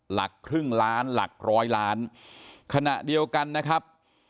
หลักครึ่งล้านหลักร้อยล้านขณะเดียวกันนะครับ